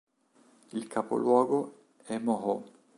Il capoluogo è Moho.